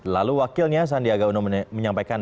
lalu wakilnya sandiaga uno menyampaikan